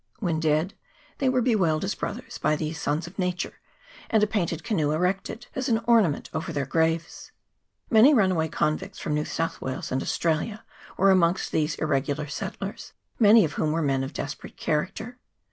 When dead they were bewailed as brothers by these sons of nature, and a painted canoe erected as an ornament 192 NATIVES INHABITING [PART I. over their graves. Many runaway convicts from New South Wales and Australia were amongst these irregular settlers, many of whom were men of desperate character.